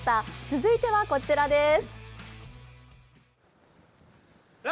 続いてはこちらです。